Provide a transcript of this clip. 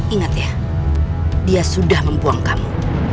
ingat ya dia sudah membuang kamu